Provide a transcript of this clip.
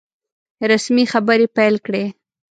رسمي خبري پیل کړې.